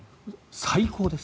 最高です。